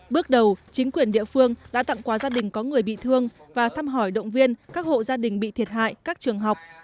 bước đầu chính quyền địa phương đã tặng quà gia đình có người bị thương và thăm hỏi động viên các hộ gia đình bị thiệt hại các trường học